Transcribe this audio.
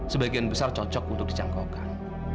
sebagian besar cocok untuk dijangkaukan